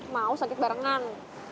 mau sakit barengan